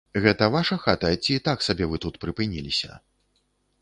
Гэта ваша хата ці так сабе вы тут прыпыніліся?